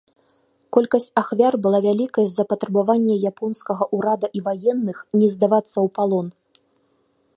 Колькасць ахвяр была вялікай з-за патрабавання японскага ўрада і ваенных не здавацца ў палон.